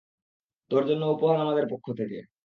তোর জন্য উপহার আমাদের পক্ষ থেকে।